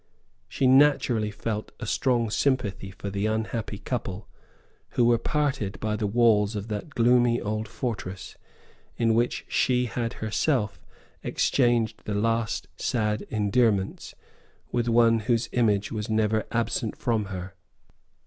She naturally felt a strong sympathy for the unhappy couple, who were parted by the walls of that gloomy old fortress in which she had herself exchanged the last sad endearments with one whose image was never absent from her.